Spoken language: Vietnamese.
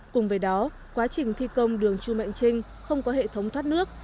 cùng với đó quá trình thi công đường chu mạnh trinh không có hệ thống thoát nước